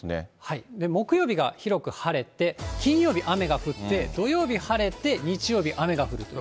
木曜日が広く晴れて、金曜日、雨が降って、土曜日晴れて、日曜日雨が降ると。